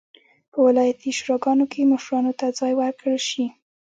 په ولایتي شوراګانو کې مشرانو ته ځای ورکړل شي.